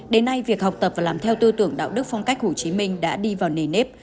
đến nay việc học tập và làm theo tư tưởng đạo đức phong cách hồ chí minh đã đi vào nề nếp